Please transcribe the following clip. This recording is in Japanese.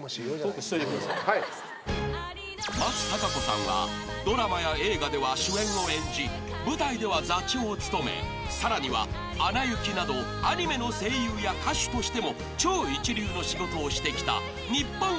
［松たか子さんはドラマや映画では主演を演じ舞台では座長を務めさらには『アナ雪』などアニメの声優や歌手としても超一流の仕事をしてきた日本を代表する俳優］